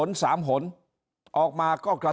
ถ้าท่านผู้ชมติดตามข่าวสาร